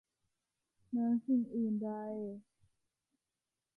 เหนือสิ่งอื่นใด